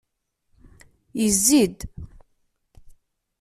Yezzi-d.